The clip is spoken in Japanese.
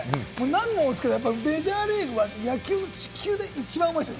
何度も言いますけれども、メジャーリーグは野球が地球で一番うまい。